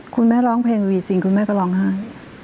คุณแม่ร้องเพลงวีซิงคุณแม่ก็ร้องไห้